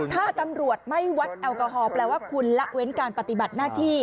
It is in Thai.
ถ้าตำรวจไม่วัดแอลกอฮอลแปลว่าคุณละเว้นการปฏิบัติหน้าที่